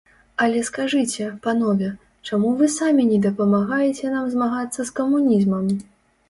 Але скажыце, панове, чаму вы самі не дапамагаеце нам змагацца з камунізмам?